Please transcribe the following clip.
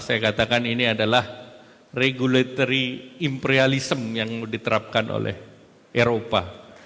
saya katakan ini adalah regulatory imperialism yang diterapkan oleh eropa